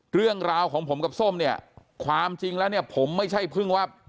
เรื่องราวของผมกับส้มเนี่ยความจริงแล้วเนี่ยผมไม่ใช่เพิ่งว่า